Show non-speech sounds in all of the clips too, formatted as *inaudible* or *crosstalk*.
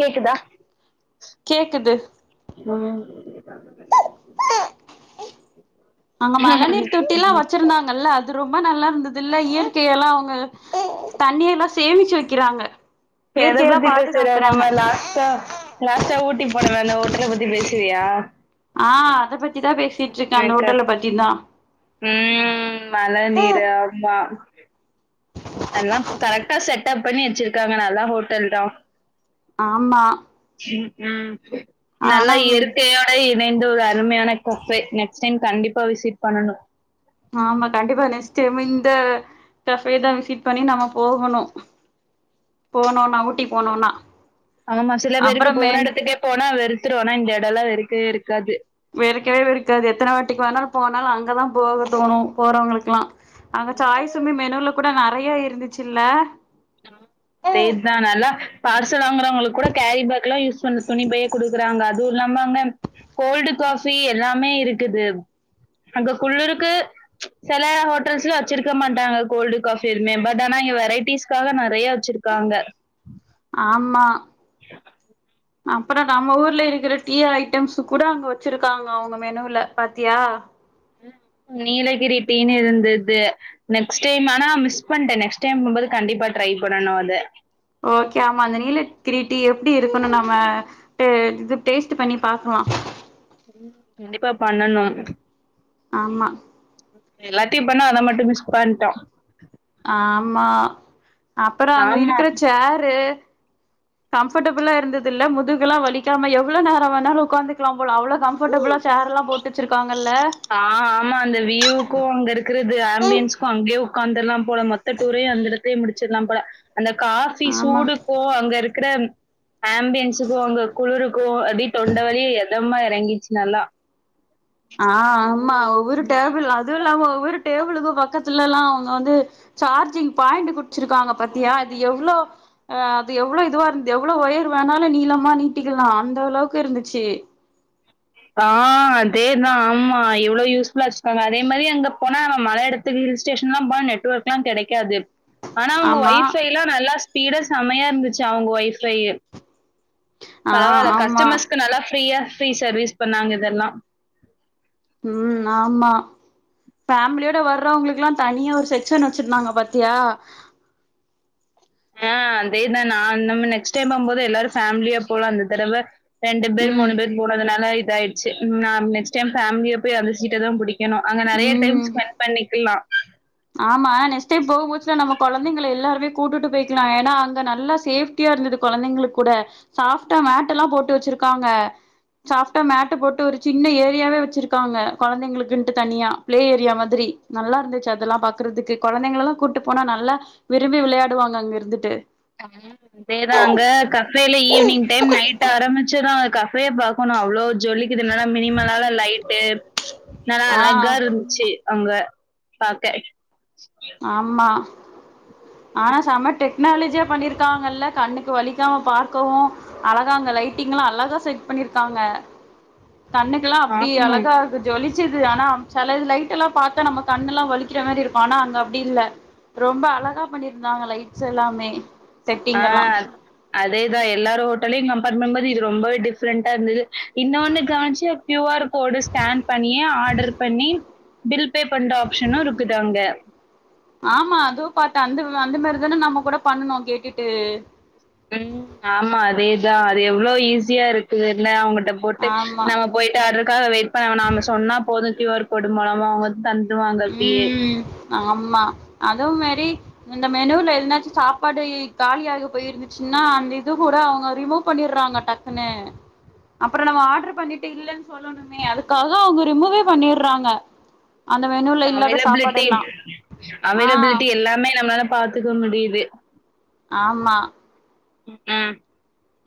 கேக்குதா கேக்குது உம் அங்க மழ நீர் தொட்டில்லா வச்சிருந்தாங்கல்ல இது ரொம்ப நல்லாருந்தது இல்ல இயற்கைய எல்லா அவுங்க தண்ணியல்லா சேமிச்சு வெக்கிறாங்க தெரபதி பேசறாராமா லாஸ்ட்டா லாஸ்ட்டா ஊட்டி பொடவ அந்த ஹோட்டல பத்தி பேசுவியா ஆஹ் அத பத்தி தா பேசிட்ருக்கே அந்த எனக்கு ஹோட்டல்ல அது- பத்தி தா உம் மழ நீரு ஆம்மா எல்லாம்ப் கல த செட்டப் பண்ணி வெச்சிருக்காங்க நல்லா ஹோட்டல் தா ஆம்மா ம் நல்லா இயற்கையோட இ ணைந்து ஒரு அருமையான கஃபே நெக்ஸ்ட் டைம் கண்டிப்பா விசிட் பண்ணணு ஆமா கண்டிப்பா நெக்ஸ்ட் டைமு இந்த கஃபே தா விசிட் பண்ணி நம்ம போகணு போனுன்னா ஊட்டி போனுன்னா ஆமா சில பேருக்கு போன எடத்துக்கே போனா வெறுத்துரு ஆனா இந்த தல்லா வெருக்கவே வெருக்காது வெறுக்கவே வெறுக்காது எத்தன வாட்டிக்கு வேணாலு போனாலு அங்கதா போக தோணு போறவங்குளுக்லா அங்க சாய் சுமி மெனுல கூட நெறையா இருந்துச்சுல்ல தானாலா பார்சல் வாங்குறவங்களுக்கு கூட கேரி பேக்லா யூஸ் பண் துணி பையே குடுக்குறாங்க அதுவு இல்லாம அங்க கோல்டு காஃபி எல்லாமே இருக்குது அங்க குளுருக்கு செல ஹோட்டல்ஸ்ல வெச்சிருக்க மாட்டாங்க கோல்டு காஃபி எதுமே பட் ஆனா இங்க வெரைட்டிஸ் காக நெறைய வெச்சிருக்காங்க ஆமா அப்பற நம்ம ஊர்ல இருக்கிற டீ ஐட்டம்ஸ் கூட அங்க வெச்சிருக்காங்க அவங்க மெனுல பாத்தியா நீலகிரி டீனு இருந்துது நெக்ஸ்ட் டைம் ஆனா மிஸ் பண்ட்ட நெக்ஸ்ட் டைம் போம்போது கண்டிப்பா ட்ரை பண்ணனு அத ஓகே ஆமா அந்த நீலகிரி டீய எப்டி இருக்குனு நம து இது டேஸ்ட்டு பண்ணி பாக்கலா ம் கண்டிப்பா பண்ணணு ஆமா எல்லாத்தையு பண்ணோ அத மட்டு மிஸ் பண்ட்டோ ஆமா அப்பற அங்க ஆமா இருக்கிற சேரு கம்ஃபர்டபுளா இருந்துதுல்ல முதுகெல்லா வலிக்காம எவ்ள நேர வேணாலு உக்காந்துக்கலாம் போல அவ்ளோ கம்ஃபர்டபுளா சேர் எல்லா போட்டு வெச்சிருக்காங் ஆ ஆமா அந்த வியூக்கு அங்க இருக்கறது ஆம்பியன்ஸ்க்கு அங்யே உக்காந்தர்லாம் போல மொத்த டூரையு அந்த எடத்துலயே முடிச்சிர்லாம் போல அந்த காஃபி ஆமா சூடுக்கு அங்க இருக் கற ஆம்பியன்ஸுக்கு அங்க குளுருக்கு அப்டி தொண்ட வழிய எதமா எறங்கிச்சு நல்லா ஆ ஆமா ம். ஒவ்வொரு டேபிள் அதுவு இல்லாம ஒரு டேபிளுக்கும் பக்கத்துல எல்லாம் அவங்க வந்து சார்ஜிங் பாயிண்ட் குறிச்சிருக்காங்க பாத்தியா அது எவ்வளவு அ அது எவ்வளவு இதுவா இருந்த எவ்வளவு ஒயர் வேணாலும் நீளமா நீட்டிக்கலாம் அந்த அளவுக்கு இருந்துச்சு ஆ அதேதான் ஆமா எவ்வளவு யூஸ்ஃபுல்லா வச்சிருக்காங்க அதே மாதிரி அங்க போனா மல இடத்துக்கு ஹில் ஸ்டேஷன் எல்லாம் போனா நெட்வொர்க் எல்லாம் கிடைக்காது ஆனா அவங்க ஆமா ஒயஃபை எல்லாம் நல்லா ஸ்பீட் செமையா இருந்துச்சு அவங்க வைஃபை ஆ பரவாயில்ல ஆமா கஸ்டமர்ஸ்கு நல்லா ஃப்ரீயா ஃப்ரீ சர்விஸ் பண்ணாங்க இதெல்லாம் ம் ஆமா ஃபேமிலியோட வர்றவங்களுக்கெல்லாம் தனியா ஒரு செக்ஷன் வச்சிருந்தாங்க பாத்தியா ஆ அதே தான் நான் நம்ம நெக்ஸ்ட் டைம் போகும்போது எல்லாரும் ஃபேமிலியா போலாம் இந்த தடவை ரெண்டு பேர் மூணு ம் பேர் போனதுனால இதாயிடுச்சு நாம் நெக்ஸ்ட் டைம் ஃபேமிலியா போய் அந்த சீட்ட தான் புடி ணும் அங்க நிறைய டைம் ம் ஸ்பெண்ட் பண்ணிக்கலாம் ஆமா நெக்ஸ்ட் டைம் போகும்போது நம்ம குழந்தைங்களை எல்லாருமே கூட்டுட்டு போயிக்கலாம் ஏன்னா அங்க நல்லா சேஃப்டியா இருந்தது குழந்தைங்களுக்கு கூட சாப்டா மேட் எல்லாம் போட்டு வச்சிருக்காங்க சாஃப்டா மேட்டை போட்டு ஒரு சின்ன ஏரியாவே வச்சிருக்காங்க குழந்தைங்களுக்குன்ட்டு தனியா ப்ளே ஏரியா மாதிரி நல்லா இருந்துச்சு அதெல்லாம் பாக்குறதுக்கு குழந்தைங்க எல்லாம் கூட்டு போனா நல்லா விரும்பி விளையாடுவாங்க அங்க இருந்துட்டு அதேதாங்க கஃபேல ஈவினிங் டைம் நைட் ஆரம்பிச்சுரும் கஃபேயெ பாக்கணும் அவ்ளோ ஜொலிக்குது இதனால மினிமலால லைட்டு நல்லா ஆ அழகா இருந்துச்சு அவங்க பாக்க ஆமா ஆனா செம ட்டு க்னாலஜியா பண்ணிருக்காங்கல்ல கண்ணுக்கு வலிக்காம பாக்கவு அழகாங்க லைட்டிங்ல்லா அழகா செட் பண்ணிருக்காங்க கண்ணுக்கெல்லா அப்டி ஆமா. அழகா இருக்கு ஜொலிக் ச்சுது ஆனா செல இது லைட்டெல்லா பாத்தா நம்ம கண்ணுல்லா வலிக்கிற மாரி இருக்கு ஆனா அங்க அப்டி இல்ல ரொம்ப அழகா பண்ணிருந்தாங்க லைட்ஸ் எல்லாமே செட்டிங் எல்லா ஆஹ் அதேதா எல்லார் ஹோட்டலயு நம் *unintelligible* மாதி இது ரொம்பவே டிஃப்ரண்டா இருந்துது இன்னோன்னு கவனிச்சு க்யு ஆர் கோடு ஸ்கேன் பண்ணியே ஆர்டர் பண்ணி பில் பே பண்ற ஆப்ஷனு இருக்குது அங்க ஆமா அதுவு பாத்த அந்த அந்த மாரி தானே நம்ம கூட பண்ணுணோ கேட்டுட்டு உம் ஆமா அதேதா அது எவ்ளோ ஈஸியா இருக்குது இல்ல அவங்க ட்ட போட்டு ஆமா நம்ம போயிட்டு அதுக்காக வெயிட் பண்ண நாம சொன்னா போது கியூ ஆர் கோடு மோலமா அவங்க வந்து தந்துருவாங்க அப்டியே. உம் ஆம்மா அதோ மாரி இந்த மெனுல எதுனாச்சு சாப்பாடு இ காலிய ஆகி போயிருந்துச்சுன்னா அந்த இது கூட அவங்க ரிமூவ் பண்ணிடுறாங்க டக்குன்னு அப்பறொ நம்ம ஆர்டர் பண்ணிட்டு இல்லன்னு சொல்லணுமே அதுக்காக அவங்க ரிமூவே பண்ணியடுறாங்க ப்ப அவைலபிலிட்டி ஆ அவைலபிலிட்டி எல்லாமே நம்மாள பாத்துக்க முடியுது ஆமா ம்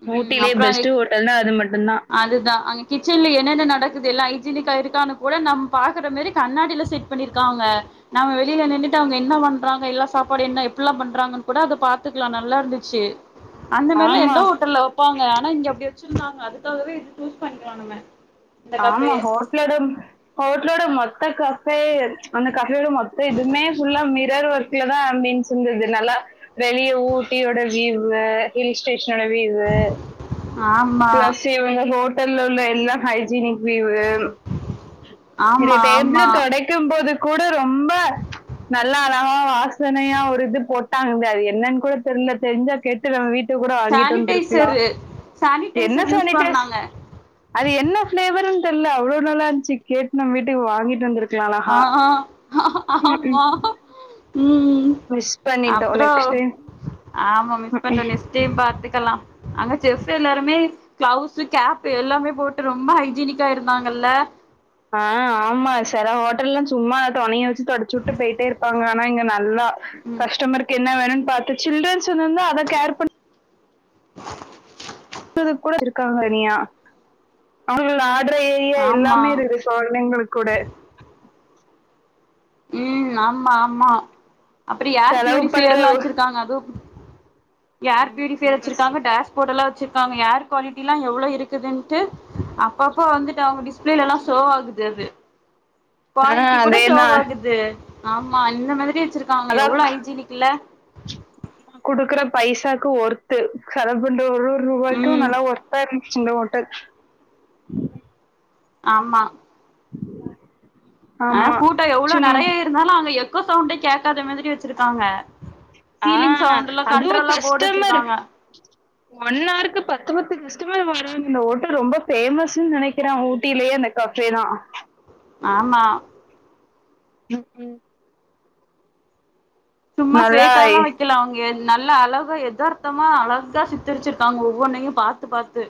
ஹ் ம் ஊட்டிலேயே அப்புறம் அங்க பெஸ்ட் ஹோட்டல்ன்னா அது மட்டுந்தா அதுதான் அங்க கிச்சன்ல என்னென்ன நடக்குது எல்லா ஐஜினிக்கா இருக்கான்னு கூட நம்ம பாக்ற மாரி கண்ணாடில செட் பண்ணிருக்காங்க நம்ம வெளில நின்னுட்டு அவங்க என்ன பண் பண்றாங்க எல்லா சாப்பாடு என்ன எப்புட்ல்லா பண்றாங்கன்னு கூட அத பாத்துக்கலா நல்லா இருந்துச்சு அந்த மேரிலா ஆமா. எந்த ஊர் வெப்பாங்க ஆனா இங்கே அப்டி வெச்சிருந்தாங்க அதுக்காகவே இது சூஸ் பண்றானுங்க ஆமா ஹோட்லோட ஹோட்லோட மொத்தக்காஸ் ப்பே அந்த கஃப் *unintelligible* மொத்த இதுமே ஃபுல்லா மே வேர ஒர்க்லதா அப்பின் சொந்தது நல்லா வெளிய ஊட்டியோட வீவு ஹில்ஸ்டேஷனோட வியூவு ஆமா பிளஸ் இவங்க ஹோட் ட்டல உள்ள எல்லா ஹைஜீனிக் வியூவு இந்த ஆமா டேபிள ஆமா தொடைக்கம்போது கூட ரொம்ப நல்லா அழகா வாசனையா ஒரு இது போட்டாங்க்தா அது என்னன்னு கூட தெர்ல தெரிஞ்சா கேட்டு நம்ம வீட் சானிடைசரு சானி என்ன சானிடைஸ் அது என்ன ஃபிளேவர் ன்னு தெர்ல அவ்ளோ நல்லா இருந்துச்சு கேட் நம்ம வீட்டுக்கு வாங்கிட்டு வந்திருக் ஆ ஆ ஆமா உம் மிஸ் பண்ணிட்டோம் அப்றோ நெக்ஸ்ட் டைம் ஆமா மிஸ் பண்றோ நெஷ்டைம் பாத்துக்கலா அங்க செஃப் எல்லாருமே கிளவுஸு கேப் எல்லாமே போட்டு ரொம்ப ஹைஜீனிக்கா இருந்தாங்கல்ல ஆ ஆமா செர ஹோட்டலே சும்மா தொணங் வெச்சு தொடச்சுட்டு போயிட்டே இருப்பாங்க நா இங்க நல்லா ம் கஸ்டமர் கேட் என்ன வேணுன்னு பாத்த சில்ட்ரேன்னு சொன்னாங்க அத கேர் பண் ப்பதுக்கூட இருக்காங்க இனியா அவங்கல ண்றே ஏரியா ஆமா எல்லாமே இருக்கு சோர்ணைங்கள் கூட உம் ஆமா ஆமா அப்டி யார் செலவு பண்ற பியூரிஃபையர்லா ஒ- வெச்சுருக்காங்க அதுவு யார் பியூரிஃபயர் வெச்சுருக்காங்க டேஷ் போர்டுலா வெச்சிருக்காங்க ஏர் குவாலிட்டிலா எவ்ளோ இருக்குதுன்ட்டு அப்பப்போ வந்துட்டு அவங்க டிஸ்பிளேலா ஷோவ் ஆகுது அது ஆ, குவாலிட்டி கூட ஷோவ் அதேதான் ஆகுது ஆமா அந்த மாதிரி ச்சுருக்காங்க அதான் எவ்ளோ ஹைஜீனிக்லே குடுக்குற பைசாக்கு ஒருத்து செல்வுபனூ ருவாக்கு ம் நல்லா ஒர்த்தா இருந் சின்ன ஓட்டல் ஆமா ஆஹ், ஆமா கூட்டம் எவ்வளவு சும் நிறைய இருந்தாலும் அங்க எ க்கு சவுண்டே கேட்காத மாதிரி வச்சிருக்காங்க, சீலிங் ஆஹ் சவுண்ட்லா அது கண்ட்ரோலா போர்டு கஷ்டமர் வச்சிருக்காங்க ஒன்னாருக்கு பத்து பத்து க சத்தமே வராது இந்த ஓட்டம் ரொம்ப பேமஸ்ன்னு, நினைக்கிறே ஊட்டிலயே அந்த கபே தா ஆமா உ உம் சும்மா நல்லா ஃபக் ல்லாம் வைக்கல அவங்க நல்லா அளவு எதார்த்தமா அழகா சித்தரிச்சிருக்காங்க, ஒவ்வொன்னையும் பாத்து பார்த்து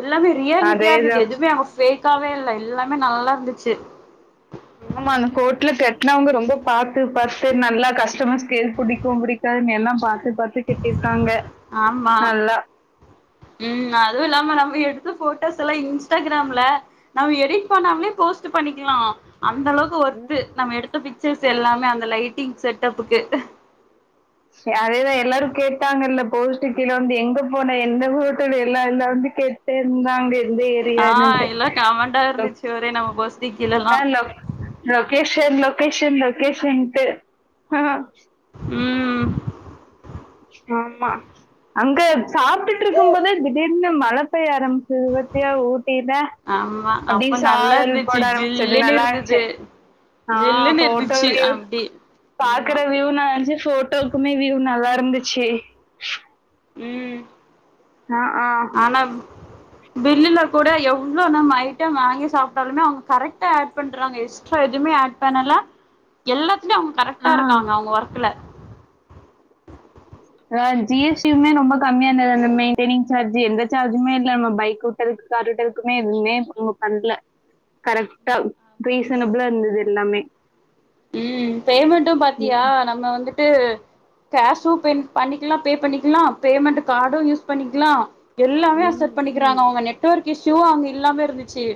எல்லாமே ரியாலிட்டியா அதேதா இருந்தது எதுவுமே அங்க போக்கவே இல்ல எல்லாமே நல்லா இருந்துச்சு ஆமா அந்த கோட்டுல கெட்டநவங்க ரொம்ப பா பத்து நல்லா கஷ்ட் த்த ஸ்கேல் பிடிக்கும் புடிக்காது என்ல்ல பார் இது பத்து கிட்டி இருக்காங்க நல்லா உம் அதுவு இல்லாம நம்ம எடுத்த போட்டோஸ் எல்லா இன்ஸ்டாகிராம்ல நம்ம எ *unintelligible* பண்ணாமலே போஸ்ட் பண்ணிக்கலாம் அந்த அளவுக்கு ஒர்த்து, நம்ம எடுத்த பிக்சர்ஸ் எல்லாமே அந்த லைட் செட்டப்புக்கு பௌஷ்டிக்கில வந்து, எங்க போன எந்த ஹட்டல் எல்லா எல்லாம வந்து கெட்டே இருந்தாங்க எந்த ஆஹ் ஏரியான்னுட்டு எல்லாம் கமண்டண்டா லொ இருந்துச்சு, ஒரே நம்ம போஸ்டிக்கிலல்லாம், லோகேஷன் லோகேஷன்ட்டுஹ உம் ஆமா, அங்க சாப்பிட்டுட்டு இருக்கும் போதே திடீர்னு மழை பெய்ய அரம் திருபத்தியா ஊட்டில ஆமா அப்படி அப்ப நல்லா சாரல் இருந்துச்சு பட ரம்பிச்சது ஜில்லுன்னு நல்லா இருச்சு இருந்தது ஆஹ் ஜில்லுன்னு போட்டோ இருந்துச்சு வியூ அப்டி ஆமா பாக்குற வியூ ந இருந்துச்சு போட்டோக்குமே, வியூ ருந்துச்சு உம் ஆஹ் ஆஹ் பில்லுல கூட எவ்ள நம் ஐட்டம் வாங்கி சாப்பிட்டாலுமே அவங்க கரெகாட் ஹா ஹாடு பண்றாங்க எஸ்டரா எதுவுமே ஆட் பண்ணல எல்லா அவங்க கரெக்டா இருக்காங்க அவங்க ஒர்க்ல ஹ ஜிஎஸ்டியுமே ரொம்ப கம்மியா இருந்தது அந்த மெயின்டெனிங் சார்ஜ் எந்த சார்ஜுமே இல்ல நம்ம பைக் விட்டறதுக்கு கார் விட்டறதுக்குமே எதுவுமே நம்ம பண்ணல கரெக்ட் ரீசனபிளா இருந்தது எல்லாமே உம் பேமெட்டும் ம் பாத்தியா நம்ம வந்து கேஷும் பண்ணிக்கலாம் பே பண்ணிக்கலாம் பேமெண்ட் கார்டும் யூஸ் பண்ணிக்கலாம் எல்லாமே அசட் ம் பண்ணிக்கிறாங்கெட்ஒொர்க் ஷூ அங்க இல்லாமே இருந்துச்சு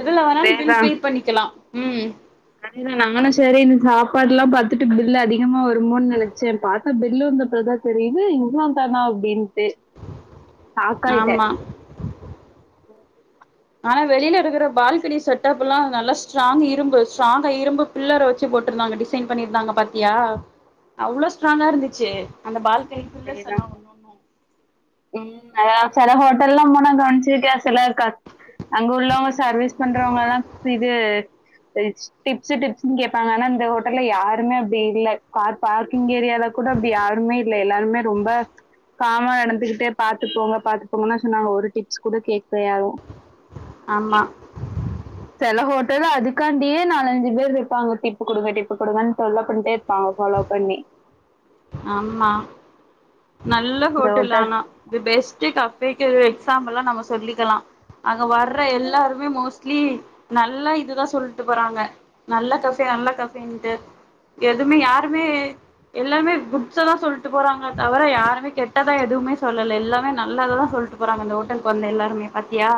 எதுல வேணாலும் பில் அதேதா பே பண்ணிக்கலாம் உம் ான் நானும் சரி என் சாப்பாடு எல்லாம் பாார்த்தட்டு பில்லு அதிகமா வருமோன்னு நினைச்சேன் பார்த்தா பில்லு வந்தப்பதான் சரி இது இவ்வளவு தானா அப்படின்னு ஷாக் ஆயிட்டேன் ஆமா ஆனா வெளியில இருக்கிற பால்கனி செட்டப் எல்லாம் நல்லா ஸ்ட்ராங் இரும்பு ஸ்ட்ராங்கா இரும்பு பில்லரை வச்சு போட்டிருந்தாங்க டிசைன் பண்ணியிருந்தாங்க பாத்த்த்தியா அவ்வளோ ஸ்ட்ராங்கா இருந்துச்சு அந்த பாலனி கைக்குள்ள அதேதான். செல்லாம் ஒண்ணனும் ந சில ஹோட்டல்லலாம் போனா கணச்சு கேசல க அங்க உள்ளவங்க சர்வீஸ் பண்றவங்கல்லாம் இது டிப்ஸ்ு டிப்ு கேப்பாங்க ஆனா இந்த ஹோட்டல்ல யாருமே அப்படி இல்லலை கார் பார்கிங் ஏரியாவ கூட அப்படி யாருமே இல் எல்லார ரொம்ப காம நடந்துகிட்டே பாத்துட்டுப்போங்க பாத்துட்டு போோங்கன்னா சொன்னாங்க ஒரு டிப்ஸ் கூட கேட்கயும் ஆமா செல ஹோட்டல்ல அதுக்காண்டியே நாலஞ்சு பேர் இருப்பாங்க டிப்பு குடுங்க டிப்பு குடுங்கன் தொல்ல பண்ட்டே இருப்பாங்க ஃபாலோ பண்ணி ஆமா நல்ல ஹோட்டல் ஆனா த பெஸ்ட் கஃபேக்கு எக்ஸாம்பிளா நம்ம சொல்லிக்கலா அங்க வர்ற எல்லாருமே மோஸ்ட்லி நல்ல இதுதா சொல்ட்டு போறாங்க நல்ல கஃபே நல்ல கஃபேன்ட்டு எதுமே யாருமே எல்லாருமே குட்ஸதா சொல்ட்டு போறாங்க தவர யாருமே கெட்டதே எதுமே சொல்லல எல்லாமே நல்லததா சொல்ட்டு போறாங்க இந்த ஹோட்டலுக்கு வந்த எல்லாருமே பாத்தியா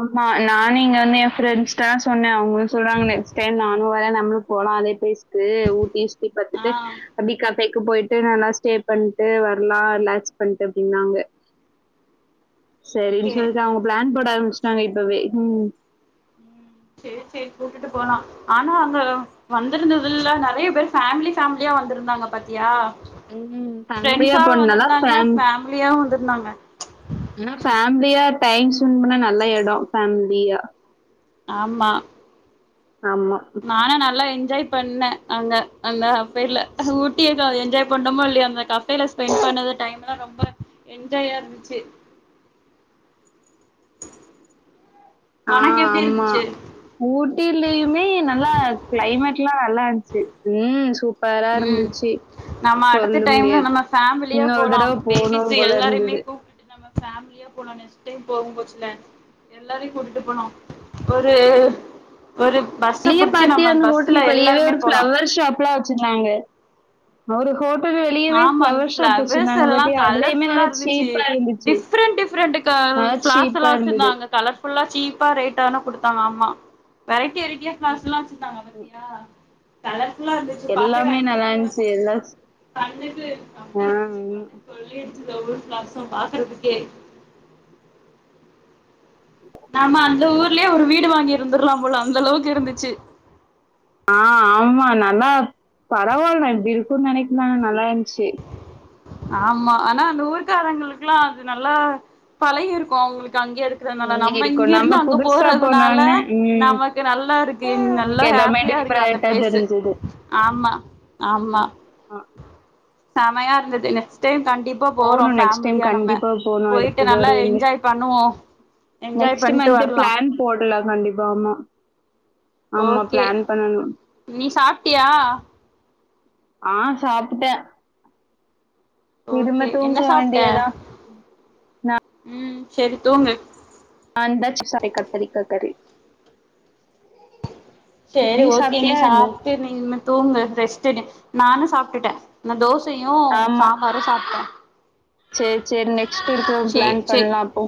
ஆமா நானு இங்க வந்து எ ஃப்ரெண்ட் ஸ்ட்டலா சொன்ன அவங்களு சொல்றாங்கனு செரி நானு வரே நம்ளு போலா அதே பிளேஸ்க்கு ஊட்டி சுத்தி பாத்துட்டு ஆ அப்டியே கஃபே க்கு போய்ட்டு நல்லா ஸ்டே பண்ட்டு வர்லா ரிலாக்ஸ் பண்ட்டு அப்டின்னாங்க சரின்னு ஓகே சொல்ட்டு அவுங்க பிளான் போட ஆரம்பிச்ட்டாங்க இப்பவே ம் சேரி சேரி கூட்டுட்டு போலா ஆனா அங்க வந்திருந்ததுல்ல நெறைய பேர் ஃபேமிலி ஃபேமிலியா வந்துருந்தாங்க பாத்தியா ம் ஃபேமிலியா ஃபிரெண்ட்ஸாவு போனதுனால வந்திருந்தாங்க ஃபேம் ஃபேமிலியாவு வந்திருந்தாங்க ஆனா ஃபேம்லியா டைம் ஸ்பெண்ட் பண்ண நல்ல எட ஃபேமிலியா ஆமா ஆமா நானு நல்லா என் ஜாய் பண்ண அங்க அந்த கஃபேல ஊட்டிய ந என்ஜாய் பண்ணமோ இல்லயோ அந்த கஃபேல ஸ்பெண்ட் பண்ணது டைம் எலா ரொம்ப என்ஜாயா இருந்துச்சு ஆ ஒனக்கு எப்டி ஆமா இருந்துச்சு ஊட்டிலயுமே நல்லா கிளைமேட் ல்லா நல்லாருந்துச்சு ம் சூ ம் நம்ம அடுத்த டைமு முடியாது. நம்ம ஃபேமிலியா இன்னொரு போலா தடவ பேபிஸ் போணும் போல எல்லாரையுமே இருந்தது. கூப்டுட்டு நம்ம ஃபேமிலியா போலா நெக்ஸ்ட் டைம் போகு கொச்சுல எல்லாரையு கூட்டிட்டு போலா ஒரு ஒரு பஸ்ஸ வெளியே புடிச்சு பாத்தியா நம்ம அந்த பஸ்ல ஹோட்டலுக்கு வெளியவே எல்லாருமே ஒரு போலா ஃப்ளவர் ஷாப்லா வெச்சிருந்தாங்க ஒரு ஹோட் ஆமா ஃபிளவர்ஸ் எல்லா பாத்தியா? அதுலயுமே கலர்ஃபுல்லா நல்லா இருந்துச்சு சீப்பா இருந்துச்சு. டிஃப்ரெண்ட் டிஃப்ரெண்ட் க நல்லா சீப்பா பிளார்ஸெல்லா இருந்தது. வெச்சிருந்தாங்க கலர்ஃபுல்லா சீப்பா ரேட் தான குடுத்தாங்க ஆமா வெரைட்டி வெரைட் டியா ம், ஃப்ளார்ஸ் எல்லா வெச்சிருந்தாங்க ம். பத்தியா கல எல்லாமே நல்லாருந்துச்சு எல்லா கண்ணுக்கு அப்டியே *unintelligible* சொல்லி இங்க ஒவ்வொரு ஃப்ளார்சு பாக்கறதுக்கே நாம அந்த ஊர்லயே ஒரு வீடு வாங்கி இருந்திர்லாம் போல அந்த அளவுக்கு இருந்துச்சு ஆ ஆமா நல்லா பரவால நா இப்டி இருக்குன் நெனைக்கமான நல்லாருந்துச்சு ஆமா ஆனா அந்த ஊர்க்காரங்களுக்கெல்லா அது நல்லா பழகி இருக்கு அவங்களுக் அங்கயே இருக்கறனால ம் நம்ம இருக்கும். இங்கிருந்து அங்க புதுசா போறதுனால போனோனே ம் நமக்கு நல்லா இருக்கு நல்லா எனக்கு எல்லாமே ஹாப்பியா இருக்கு அந்த டிஃப்ரெண்ட்டா பிளேஸு தெரிஞ்சது. ஆமா ஆமா ம். ஆ செமையா இருந்து து நெக்ஸ்ட் டைம் கண்டிப்பா போறோம் போணும் நெக்ஸ்ட் டைம் ஃபேமிலியா நம்ம கண்டிப்பா போணும். போயிட்டு அடுத்தது நல்லா ஒரு என்ஜாய் பண்ணுவோ என்ஜாய் நெக்ஸ்ட் பண்ட்டு மந்த்தே வரலா பிளான் போட் ல்ல கண்டிப்பா ஆமா ஆமா ஓகே பிளான் பண்ணணும். நீ சாப்ட்டியா ஆஹ் சாப்பிட்டேன் இதுமே ஓகே தூங்க வேண்டியதான் உம் சேரி தூங்கு அந்தட்ச் சாயக்கத்தரி கத்தரி சரி ஓகே நீ சாப்பிட்டு நீன்னு தூங்கு ரெஷ்ட் எடு நானும் சாப்பிட்டுட்டேன் இந்த தோஸ் சையூம் சம்பாரும் சாப்பிட்டேன் சேரி சேரி நெக்ஸ்ட் இருக்கிற சேர் பிளான் சேர் பண்ணலாம் அப்போ